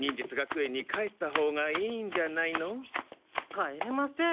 帰れません。